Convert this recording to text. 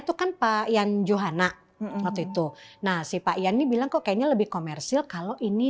itu kan pak yan johana waktu itu nah si pak yanni bilang kok kayaknya lebih komersil kalau ini